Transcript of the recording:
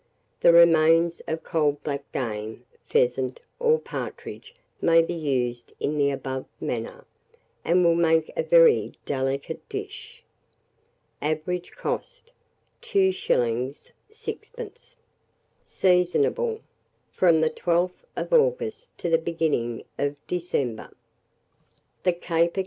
The remains of cold black game, pheasant, or partridge may be used in the above manner, and will make a very delicate dish. Average cost, 2s. 6d. Seasonable from the 12th of August to the beginning of December. [Illustration: THE CAPERCALZIE.